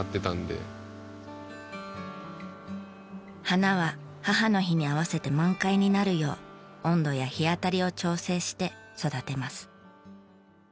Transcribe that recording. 花は母の日に合わせて満開になるよう温度や日当たりを調整して育てます。